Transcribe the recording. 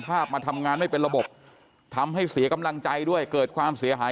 มาทำงานไม่เป็นระบบทำให้เสียกำลังใจด้วยเกิดความเสียหาย